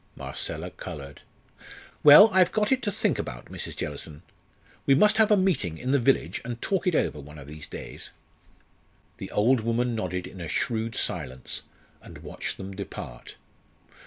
Marcella coloured. "Well, I've got it to think about, Mrs. Jellison. We must have a meeting in the village and talk it over one of these days." The old woman nodded in a shrewd silence, and watched them depart.